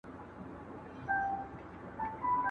دیني پوهه د جهالت د تیارو لپاره رڼا ده.